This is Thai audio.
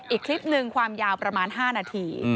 อีกคลิปหนึ่งความยาวประมาณ๕นาที